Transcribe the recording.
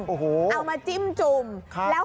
โอ้โหเอามาจิ้มจุ่มแล้ว